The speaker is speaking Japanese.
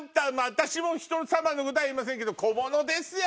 私もひと様のことは言えませんけど小物ですよ